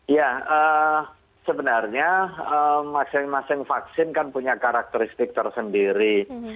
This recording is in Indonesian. ya sebenarnya masing masing vaksin kan punya karakteristik tersendiri